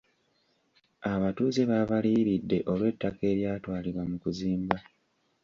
Abatuuze baabaliyiridde olw'ettaka eryatwalibwa mu kuzimba.